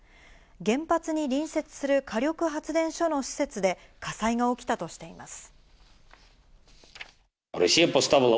原発に隣接する火力発電所の施設で火災が起きたとしています。